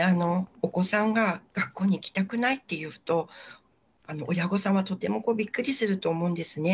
お子さんが学校に行きたくないと言うと、親御さんはとてもびっくりすると思うんですね。